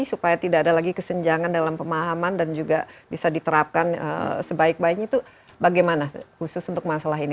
supaya tidak ada lagi kesenjangan dalam pemahaman dan juga bisa diterapkan sebaik baiknya itu bagaimana khusus untuk masalah ini